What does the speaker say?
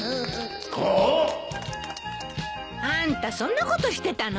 ああっ？あんたそんなことしてたの？